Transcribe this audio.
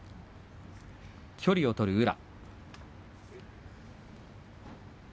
距離を取る宇良。